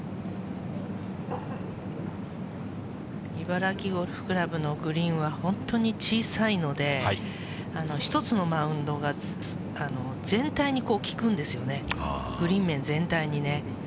茨城ゴルフ倶楽部のグリーンは本当に小さいので、１つのマウンドが全体にきくんですよね、グリーン面全体にね。